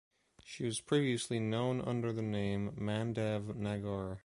She was previously known under the name, Mandav Nagar.